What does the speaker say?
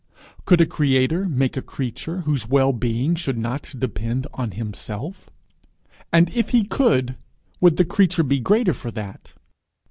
Could a creator make a creature whose well being should not depend on himself? And if he could, would the creature be the greater for that?